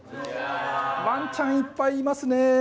ワンちゃんいっぱいいますね。